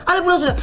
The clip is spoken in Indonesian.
ale pulang sudah